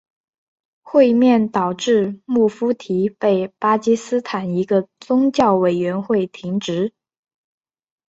会面导致穆夫提被巴基斯坦一个宗教委员会停职。